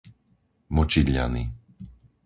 Močidľany